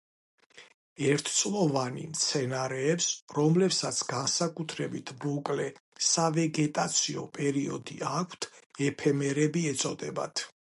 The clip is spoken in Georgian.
ერთწლოვანი მცენარეებს, რომლებსაც განსაკუთრებით მოკლე სავეგეტაციო პერიოდი აქვთ, ეფემერები ეწოდებათ.